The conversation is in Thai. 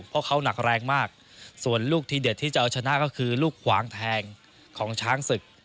เพราะเขาหนักแรงมากส่วนลูกทีเด็ดที่จะเอาชนะก็คือลูกขวางแทงของช้างศึก